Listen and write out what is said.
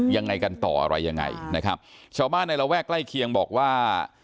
ยังไงกันต่ออะไรยังไงนะครับชาวบ้านในระแวกใกล้เคียงบอกว่า